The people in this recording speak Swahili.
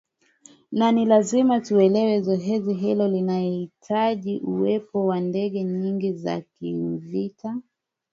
na ni lazima tuelewe zoezi hili linahitaji uwepo wa ndege nyingi za kivita